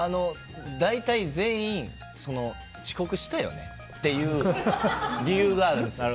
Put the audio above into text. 大体、全員、遅刻したよね？っていう理由があるんです。